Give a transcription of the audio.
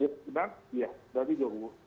benar ya dari dua kubu